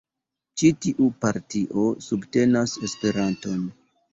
Ĉi tiu partio subtenas Esperanton.